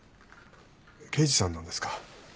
刑事さんなんですか。